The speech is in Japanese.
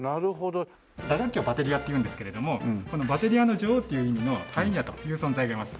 打楽器はバテリアっていうんですけれどもバテリアの女王っていう意味のハイーニャという存在がいます。